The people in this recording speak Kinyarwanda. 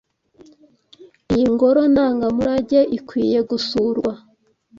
Iyi ngoro ndangamurage ikwiye gusurwa.